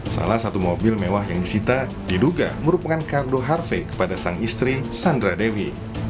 salah satu mobil mewah yang disita diduga merupakan kardo harve kepada sang istri sandra dewi